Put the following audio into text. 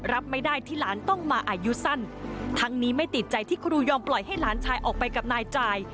รับไม่ได้ที่หลานต้องมาอายุสั้นทั้งนี้ไม่ติดใจที่ครูยอมปล่อยให้หลานชายออกไปกับนายจ่าย